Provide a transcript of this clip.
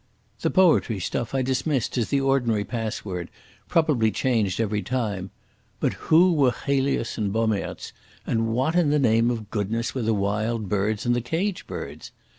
The poetry stuff I dismissed as the ordinary password, probably changed every time. But who were Chelius and Bommaerts, and what in the name of goodness were the Wild Birds and the Cage Birds?